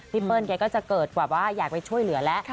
เปิ้ลแกก็จะเกิดแบบว่าอยากไปช่วยเหลือแล้ว